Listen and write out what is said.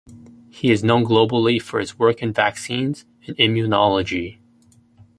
He is known globally for his work in vaccines and immunology.